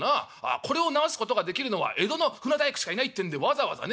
これを直すことができるのは江戸の船大工しかいないってんでわざわざね